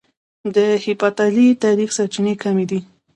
د هېپتالي تاريخ سرچينې کمې دي